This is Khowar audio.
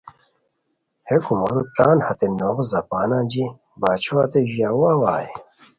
ہے کومورو تان ہتے نوغ زاپان انجی باچھو ہتے ژاؤو اوائے